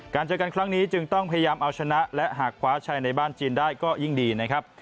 เจอกันครั้งนี้จึงต้องพยายามเอาชนะและหากคว้าชัยในบ้านจีนได้ก็ยิ่งดีนะครับ